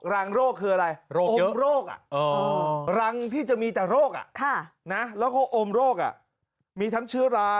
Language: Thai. รางโรคคืออะไรอมโรครังที่จะมีแต่โรคแล้วก็อมโรคมีทั้งเชื้อรา